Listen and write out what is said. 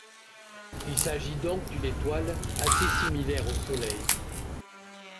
Il s'agit donc d'une étoile assez similaire au Soleil.